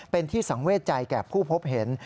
เป็นที่สังเวทใจแก่ผู้พบเห็น